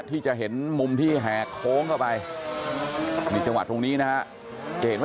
ที่จะเห็นมุมที่แหงโค้งเข้าไปมีจังหวะตรงนี้นะฮะ